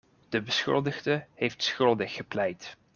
De beschuldigde heeft schuldig gepleit.